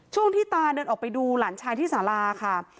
ช่วงที่ตาเดินออกไปดูหลานชายที่สาราค่ะ